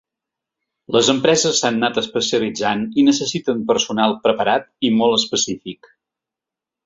Les empreses s’han anat especialitzant i necessiten personal preparat i molt específic.